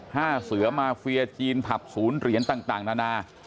ห้าเสือมาเฟียจีนผับศูนย์เหรียญต่างนานา